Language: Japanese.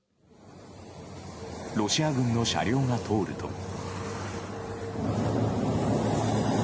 ロシア軍の車両が通ると。